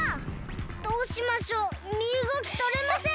どうしましょう！みうごきとれません！